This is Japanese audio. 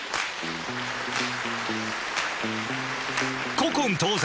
古今東西